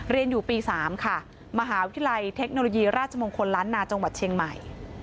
เรียนอยู่ปี๓ค่ะมหาวิทยาลัยเทคโนโลยีราชมงคลล้านนาจังหวัดเชียงใหม่